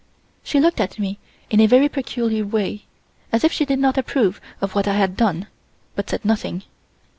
She looked at me in a very peculiar way, as if she did not approve of what I had done, but said nothing.